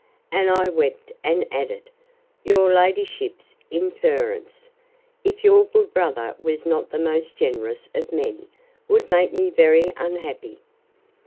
And I wept, and added, Your ladyship's inference, if your good brother was not the most generous of men, would make me very unhappy.